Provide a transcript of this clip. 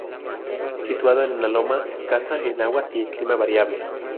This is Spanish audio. Situado en una loma escasa en aguas y en clima variable.